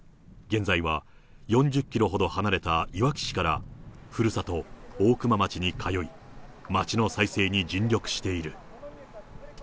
現在は４０キロほど離れたいわき市から、ふるさと、大熊町に通い、町の再生に尽力している。